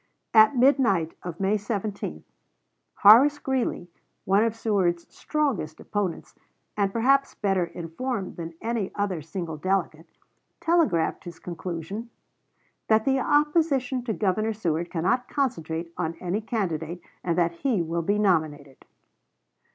At midnight of May 17, Horace Greeley, one of Seward's strongest opponents, and perhaps better informed than any other single delegate, telegraphed his conclusion "that the opposition to Governor Seward cannot concentrate on any candidate, and that he will be nominated."